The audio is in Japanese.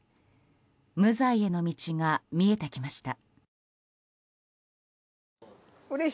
無罪への道が見えてきました。